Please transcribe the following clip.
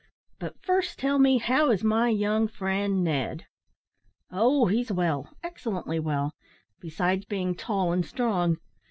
But first tell me, how is my young friend, Ned?" "Oh, he's well excellently well besides being tall and strong.